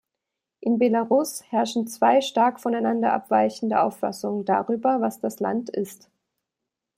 In Belarus herrschen zwei stark voneinander abweichende Auffassungen darüber, was das Land ist.